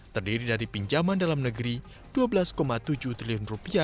terdiri dari pinjaman dalam negeri rp dua belas tujuh triliun